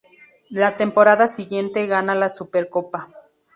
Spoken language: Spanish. La temporada siguiente gana la supercopa.